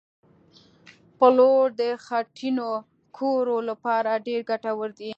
پلوړ د خټینو کورو لپاره ډېر ګټور دي